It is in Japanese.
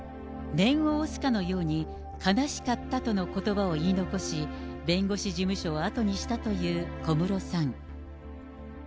念を押すかのように、悲しかったとのことばを言い残し、弁護士事務所を後にしたという小室さん。